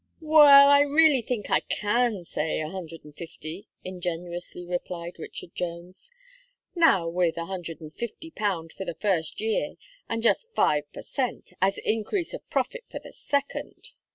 "Well, I really think I can say a hundred and fifty," ingenuously replied Richard Jones, "now, with a hundred and fifty pound for the first year, and just five per cent, as increase of profit for the second."